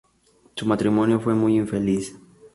Su matrimonio fue muy infeliz.